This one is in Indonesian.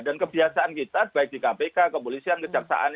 dan kebiasaan kita baik di kpk kepolisian kejam kejam